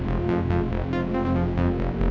kalau bapak nggak pergi nggak ada